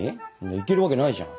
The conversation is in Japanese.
行けるわけないじゃん。